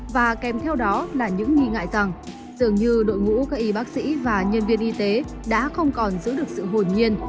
và kèm theo đó là những nghi ngại rằng dường như đội ngũ các y bác sĩ và nhân viên y tế đã không còn giữ được sự hồn nhiên